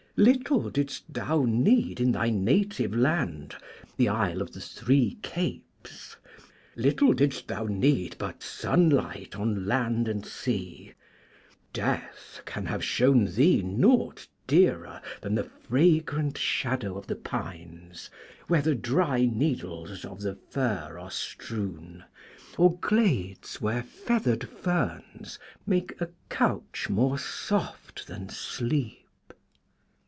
Little didst thou need, in thy native land, the isle of the three capes, little didst thou need but sunlight on land and sea. Death can have shown thee naught dearer than the fragrant shadow of the pines, where the dry needles of the fir are strewn, or glades where feathered ferns make 'a couch more soft than Sleep.'